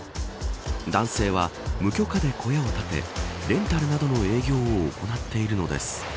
男性は無許可で小屋を建てレンタルなどの営業を行っているのです。